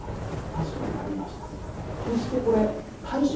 確かにありました。